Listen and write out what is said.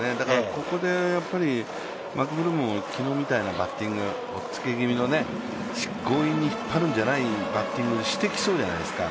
ここでマクブルームを昨日みたいなバッティング、押っつけ気味の強引に引っ張るんじゃないバッティングをしてきそうじゃないですか。